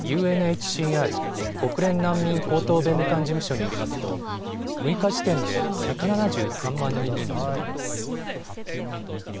ＵＮＨＣＲ・国連難民高等弁務官事務所によりますと６日時点で１７３万人に上っています。